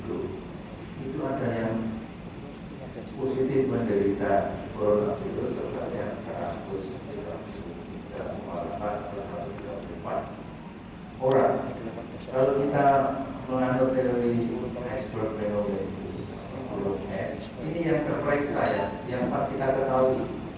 orang kalau kita mengandung teori es berpenuh ini yang terperiksa ya yang kita ketahui